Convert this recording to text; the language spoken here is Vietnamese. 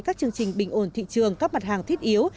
các chương trình bình ổn thị trường các mặt hàng thiết yếu